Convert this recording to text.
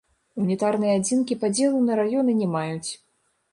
Унітарныя адзінкі падзелу на раёны не маюць.